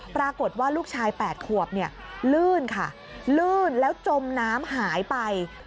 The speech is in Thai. ปรากฏว่าลูกชาย๘ขวบเนี่ยลื่นค่ะลื่นแล้วจมน้ำหายไป